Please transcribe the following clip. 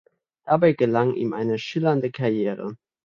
Dabei gelang ihm eine schillernde Karriere.